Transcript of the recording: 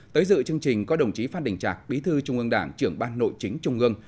tới dự chương trình có đồng chí phan đình trạc bí thư trung ương đảng trưởng ban nội chính trung ương